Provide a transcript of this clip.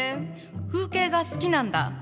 風景画好きなんだ。